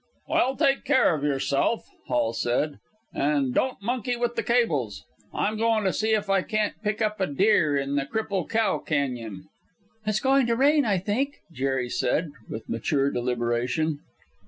"Well, take care of yourself," Hall said, "and don't monkey with the cables. I'm goin' to see if I can't pick up a deer in the Cripple Cow Cañon." "It's goin' to rain, I think," Jerry said, with mature deliberation.